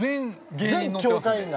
全協会員が。